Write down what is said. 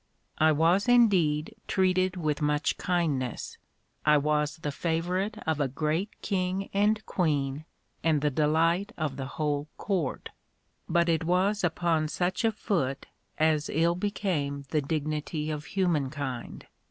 I was indeed treated with much kindness: I was the favorite of a great king and queen, and the delight of the whole court; but it was upon such a foot as ill became the dignity of human kind.